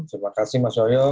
terima kasih mas yoyo